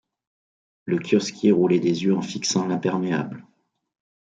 Le kiosquier roulait des yeux en fixant l’imperméable.